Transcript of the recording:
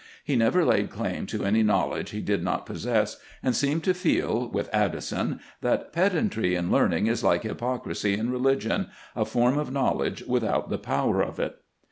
He never laid claim to any knowledge he did not possess, and seemed to feel, with Addison, that "pedantry in learning is like hypocrisy in religion — a form of knowledge without the power of it."